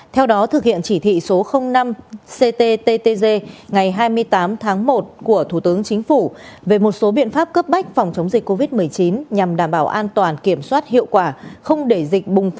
theo đó thực hiện chỉ thị số khẩn trương